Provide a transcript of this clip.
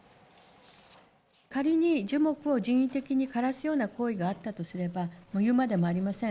仮に樹木を人為的に枯らすような行為があったとすれば、言うまでもありません